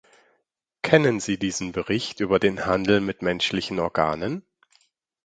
Kennen Sie diesen Bericht über den Handel mit menschlichen Organen?